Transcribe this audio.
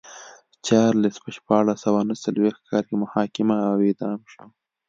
چارلېز په شپاړس سوه نه څلوېښت کال کې محاکمه او اعدام شو.